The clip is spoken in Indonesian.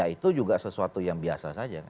itu juga sesuatu yang biasa saja